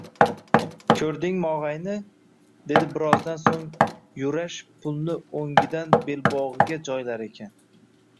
Koʻrdingmi, ogʻayni, – dedi birozdan soʻng Yurash pulni oʻngigan belbogʻiga joylar ekan.